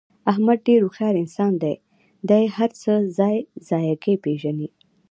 احمد ډېر هوښیار انسان دی. دې هر څه ځای ځایګی پېژني.